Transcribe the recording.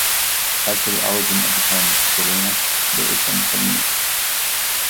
As for the origin of the term Villena, there is some polemic.